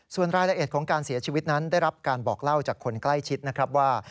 ส่วนรายละเอียดของการเสียชีวิตนั้นได้รับการบอกเล่าจากคนใกล้ชิดนะครับว่า